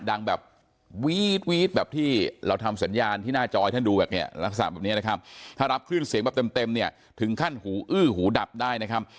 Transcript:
ดังแบบวีดแบบที่เราทำสัญญาณที่หน้าจอให้ท่านดูแบบเนี่ยลักษณะแบบนี้นะครับถ้ารับคลื่นเสียงแบบเต็มเนี่ยถึงขั้นหูอื้อหูดับได้นะครับ